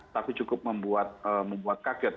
tapi cukup membuat kaget